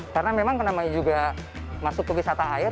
karena memang karena juga masuk kewisataan air